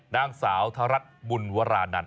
นางสาวธรรท์บุญวราณนั่น